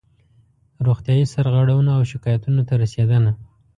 روغتیایي سرغړونو او شکایاتونو ته رسېدنه